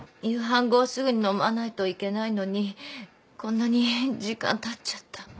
夕飯後すぐに飲まないといけないのにこんなに時間たっちゃった。